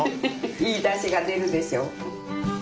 いいだしが出るでしょ。